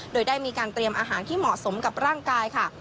โดยได้มีการเตรียมอาหารที่เหมาะสมกับร่างกายค่ะ